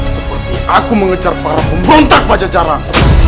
seperti aku mengejar para pemberontak pada jarak